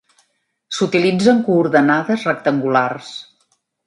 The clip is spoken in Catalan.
S'utilitzen coordenades rectangulars.